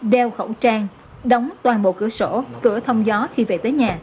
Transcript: đeo khẩu trang đóng toàn bộ cửa sổ cửa thông gió khi về tới nhà